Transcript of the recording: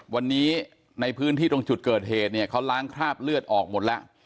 วันนี้ในพื้นที่ตรงจุดเกิดเหตุเนี่ยเขาล้างคราบเลือดออกหมดแล้ว